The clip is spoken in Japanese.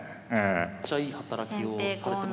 めっちゃいい働きをされてますねえ。